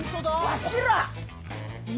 わしら！